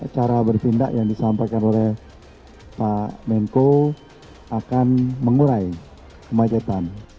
cara bertindak yang disampaikan oleh pak menko akan mengurai kemacetan